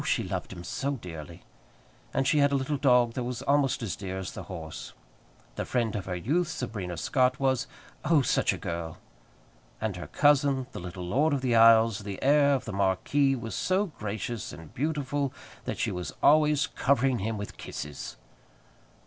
she loved him so dearly! And she had a little dog that was almost as dear as the horse. The friend of her youth, Sabrina Scott, was oh, such a girl! And her cousin, the little Lord of the Isles, the heir of the marquis, was so gracious and beautiful that she was always covering him with kisses.